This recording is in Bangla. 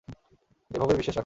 এভাবেই বিশ্বাস রাখো।